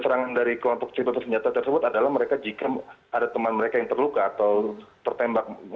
keterangan dari kelompok sifat bersenjata tersebut adalah mereka jika ada teman mereka yang terluka atau tertembak